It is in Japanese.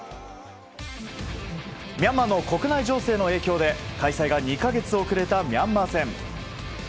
ミャンマーの国内情勢の影響で開催が２か月遅れたミャンマー戦。